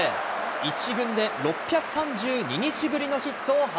１軍で６３２日ぶりのヒットを放